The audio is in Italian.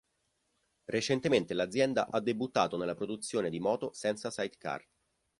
Recentemente l'azienda ha debuttato nella produzione di moto senza sidecar.